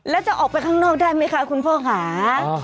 แล้วจะออกไปข้างนอกได้ไหมคะคุณพ่อค่ะ